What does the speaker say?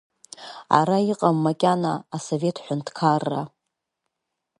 Ара иҟам макьана Асовет ҳәынҭқарра.